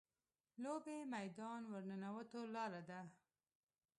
لوبې میدان ورننوتو لاره ده.